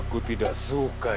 kau tidak suka ini